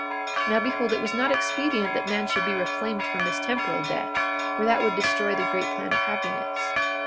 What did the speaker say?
42:8 Now behold, it was not expedient that man should be reclaimed from this temporal death, for that would destroy the great plan of happiness.